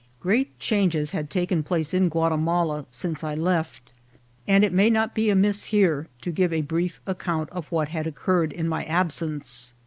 Great changes had taken place in Guatimala since I left, and it may not be amiss here to give a brief ac count of what had occurred in my absence.